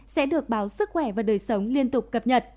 sẽ được báo sức khỏe và đời sống liên tục